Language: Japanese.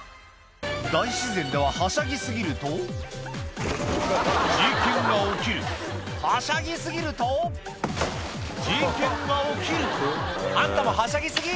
大自然でははしゃぎ過ぎると事件が起きるはしゃぎ過ぎると事件が起きるあんたもはしゃぎ過ぎ！